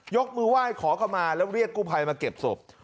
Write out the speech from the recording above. ยกมือไหว้ขอเข้ามาแล้วเรียกกู้ภัยมาเก็บศพ